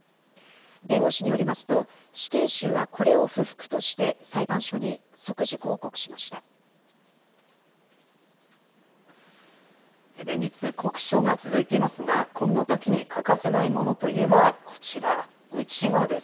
弁護士によりますと、死刑囚はこれを不服として、裁判所に即時抗連日、酷暑が続いていますが、こんなときに欠かせないものといえば、こちら、うちわです。